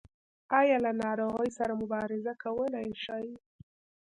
ایا له ناروغۍ سره مبارزه کولی شئ؟